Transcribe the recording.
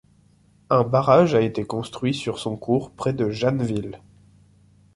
Un barrage a été construit sur son cours près de Janeville.